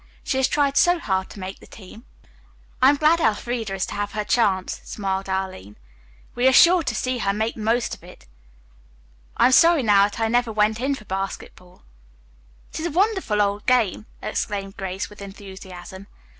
She has tried so hard to make the team." "I am glad Elfreda is to have her chance," smiled Arline. "We are sure to see her make the most of it. I'm sorry now that I never went in for basketball." "It is a wonderful old game!" exclaimed Grace with enthusiasm.